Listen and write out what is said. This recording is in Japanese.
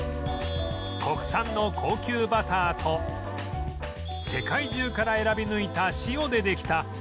国産の高級バターと世界中から選び抜いた塩でできた